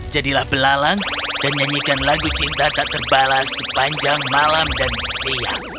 jadilah belalang dan nyanyikan lagu cinta tak terbalas sepanjang malam dan siang